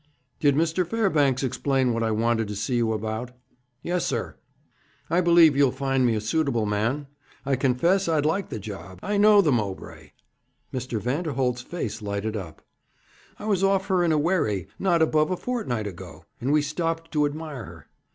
'Did Mr. Fairbanks explain what I wanted to see you about?' 'Yes, sir. I believe you'll find me a suitable man. I confess I'd like the job. I know the Mowbray.' Mr. Vanderholt's face lighted up. 'I was off her in a wherry not above a fortnight ago, and we stopped to admire her.